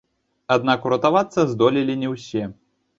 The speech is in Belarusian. Аднак уратавацца здолелі не ўсе.